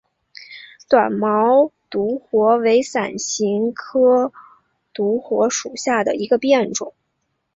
短毛独活为伞形科独活属下的一个变种。